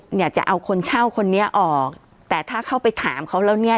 เนี่ยจะเอาคนเช่าคนนี้ออกแต่ถ้าเข้าไปถามเขาแล้วเนี้ย